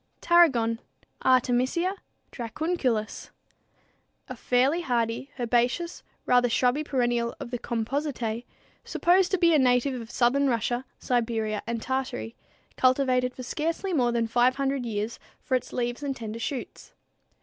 =Tarragon= (Artemisia Dracunculus, Linn.), a fairly hardy, herbaceous rather shrubby perennial of the Compositæ, supposed to be a native of southern Russia, Siberia, and Tartary, cultivated for scarcely more than 500 years for its leaves and tender shoots.